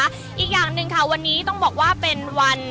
อาจจะออกมาใช้สิทธิ์กันแล้วก็จะอยู่ยาวถึงในข้ามคืนนี้เลยนะคะ